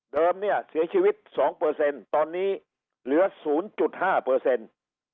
เดิมเนี่ยเสียชีวิต๒เปอร์เซ็นต์ตอนนี้เหลือ๐๕เปอร์เซ็นต์